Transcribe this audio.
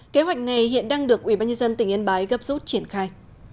kế hoạch này hiện đang được ubnd tỉnh yên bái gấp rút triển khai